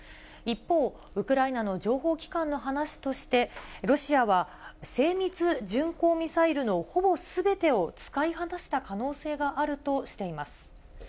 一方、ウクライナの情報機関の話として、ロシアは精密巡航ミサイルのほぼすべてを使い果たした可能性があるとしています。